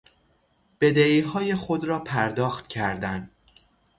بدهیهای خود را پرداخت کردن